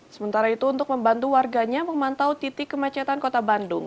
sementara itu untuk membantu warganya memantau titik kemacetan kota bandung